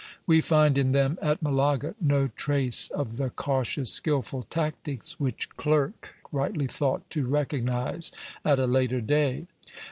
We find in them at Malaga no trace of the cautious, skilful tactics which Clerk rightly thought to recognize at a later day.